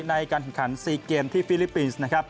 ในการแข่งขัน๔เกมที่ฟิลิปปินซ์